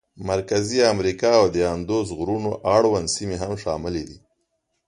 مرکزي امریکا او د اندوس غرونو اړونده سیمې هم شاملې دي.